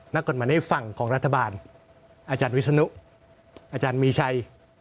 นักกฎหมายในฝั่งของรัฐบาลอาจารย์วิศนุอาจารย์มีชัย